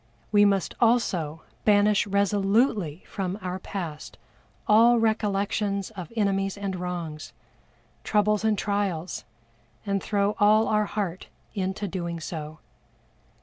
We must also banish resolutely from our past all recollections of enemies and wrongs, troubles and trials, and throw all our heart into doing so.